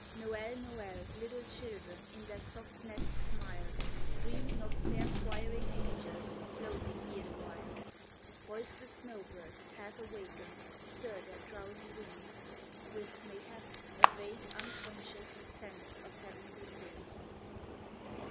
Noel! Noel! Little children In their soft nests smile. Dreaming of fair choiring angels Floating near the while ; Voiceless snow birds, half awakened. Stir their drowsy wings With, mayhap, a vague, unconscious Sense of heavenly things.